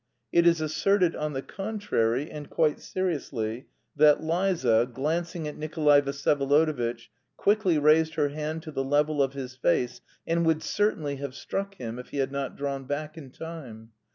It is asserted, on the contrary, and quite seriously, that Liza, glancing at Nikolay Vsyevolodovitch, quickly raised her hand to the level of his face, and would certainly have struck him if he had not drawn back in time.